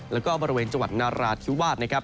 แล้วก็บริเวณจังหวัดนาราธิวาสนะครับ